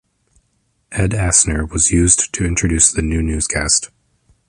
Ed Asner was used to introduce the new newscast.